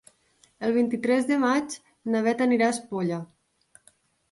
El vint-i-tres de maig na Beth anirà a Espolla.